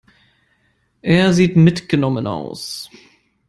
Er sieht mitgenommen aus.